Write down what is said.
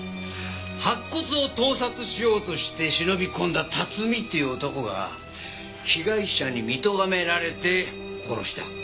白骨を盗撮しようとして忍び込んだ辰巳っていう男が被害者に見とがめられて殺した。